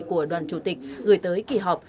của đoàn chủ tịch gửi tới kỳ họp